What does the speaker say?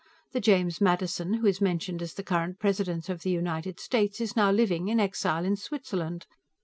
The James Madison who is mentioned as the current President of the United States is now living, in exile, in Switzerland.